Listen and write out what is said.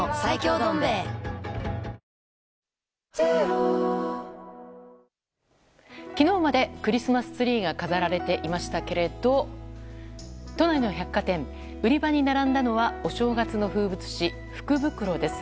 どん兵衛昨日までクリスマスツリーが飾られていましたけれど都内の百貨店売り場に並んだのはお正月の風物詩、福袋です。